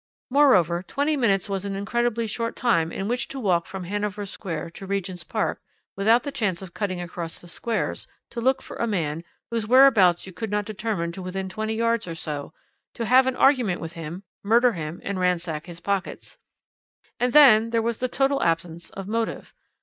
"Moreover, twenty minutes was an incredibly short time in which to walk from Hanover Square to Regent's Park without the chance of cutting across the squares, to look for a man, whose whereabouts you could not determine to within twenty yards or so, to have an argument with him, murder him, and ransack his pockets. And then there was the total absence of motive."